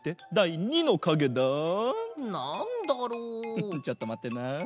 フフちょっとまってな。